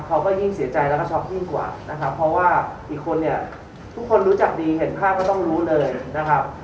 เขาก็ยิ่งเสียใจแล้วก็ช็อกยิ่งกว่านะครับเพราะว่าอีกคนเนี่ยทุกคนรู้จักดีเห็นภาพก็ต้องรู้เลยนะครับ